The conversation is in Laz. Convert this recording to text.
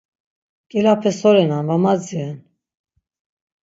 Nǩilape so renan, va madziren.